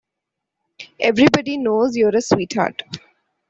Everybody knows you're a sweetheart.